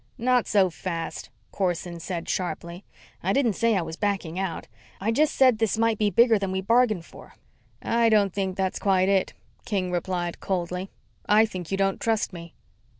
"Not so fast," Corson said sharply. "I didn't say I was backing out. I just said this might be bigger than we bargain for." "I don't think that's quite it," King replied coldly. "I think you don't trust me."